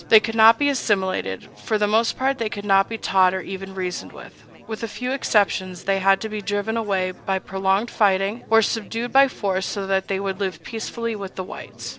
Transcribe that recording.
They could not be assimilated; for the most part they could not be taught or even reasoned with; with a few exceptions they had to be driven away by prolonged fighting, or subdued by force so that they would live peaceably with the whites.